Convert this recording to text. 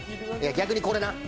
逆にこれな。